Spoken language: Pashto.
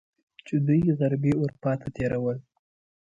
چې دوی غربي اروپا ته تیرول.